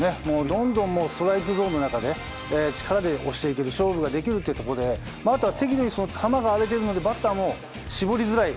どんどんストライクゾーンの中で力で押していける勝負ができるというところであとは、適度に球が荒れているのでバッターも絞りづらい。